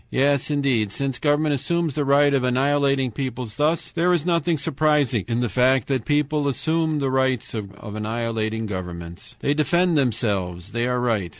"Yes, indeed, since government assumes the right of annihilating peoples thus, there is nothing surprising in the fact that the peoples assume the right of annihilating governments. "They defend themselves. They are right.